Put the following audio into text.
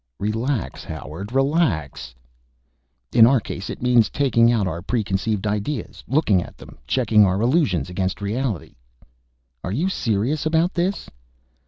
"Relax, Howard, relax." "In our case it means taking out our preconceived ideas, looking at them, checking our illusions against reality." "Are you serious about this?"